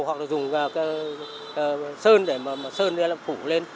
hoặc dùng sơn để phủ lên